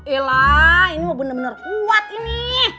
elah ini bener bener kuat ini